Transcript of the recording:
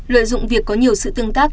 lợi dụng việc có nhiều sự tương tác